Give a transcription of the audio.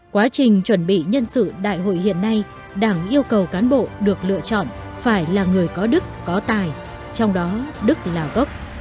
quá trình chuẩn bị nhân sự đại hội hiện nay đảng yêu cầu cán bộ được lựa chọn phải là người có đức có tài trong đó đức là gốc